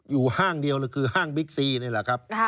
ห้างเดียวเลยคือห้างบิ๊กซีนี่แหละครับ